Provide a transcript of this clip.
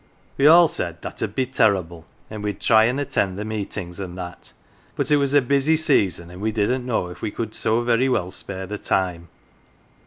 " We all said that 'ud be terrible, and we'd try and attend the meetings, an' that, but it was a busy season, and we didn't know if we could so very well spare the time.